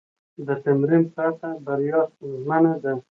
د تمرین پرته، بریا ستونزمنه ده.